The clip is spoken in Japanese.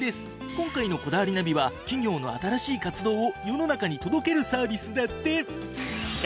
今回の『こだわりナビ』は企業の新しい活動を世の中に届けるサービスだって。